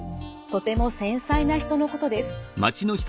とても繊細な人のことです。